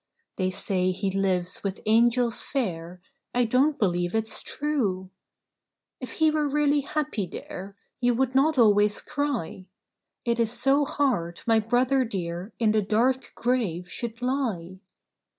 They say he lives with angels fair; I don't believe it's true ! "If he were really happy there, You would not always cry. It is so hard my brother dear In the dark grave should lie